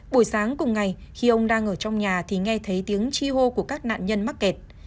buổi sáng cùng ngày khi ông đang ở trong nhà thì nghe thấy tiếng chi hô của các nạn nhân mắc kẹt